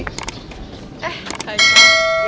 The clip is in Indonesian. eh hai jan